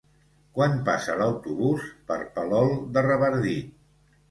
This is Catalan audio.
Quan passa l'autobús per Palol de Revardit?